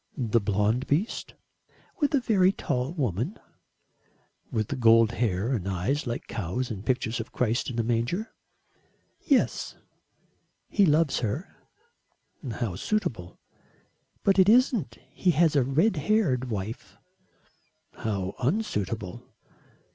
"The blond beast?" "With a very tall woman." "With gold hair and eyes like cows in pictures of Christ in a manger?" "Yes. He loves her." "How suitable." "But it isn't. He has a red haired wife." "How unsuitable."